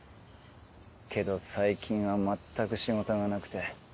けど最近はまったく仕事がなくて。